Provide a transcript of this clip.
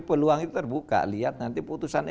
peluang itu terbuka lihat nanti putusan